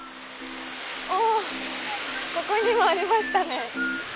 あここにもありましたね！